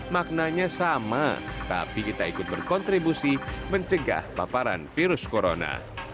maknanya sama tapi kita ikut berkontribusi mencegah paparan virus corona